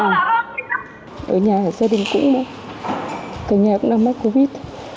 vẫn sốt nhẹ à ở nhà ở gia đình cũng mất cái nhà cũng đang mất covid